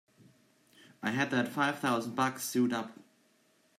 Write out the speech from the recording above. I had that five thousand bucks sewed up!